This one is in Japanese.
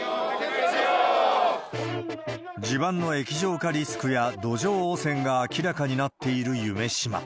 地盤の液状化リスクや土壌汚染が明らかになっている夢洲。